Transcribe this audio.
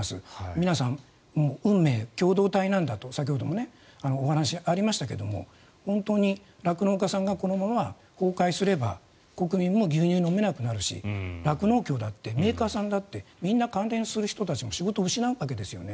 皆さん、運命共同体なんだと先ほどもお話がありましたが本当に酪農家さんがこのまま崩壊すれば国民も牛乳を飲めなくなるし酪農協だってメーカーさんだって関連する人たちは仕事を失うわけですね。